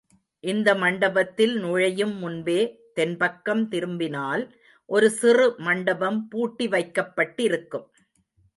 இந்த மண்டபத்தில் நுழையும் முன்பே, தென்பக்கம் திரும்பினால், ஒரு சிறு மண்டபம் பூட்டி வைக்கப் பட்டிருக்கும்.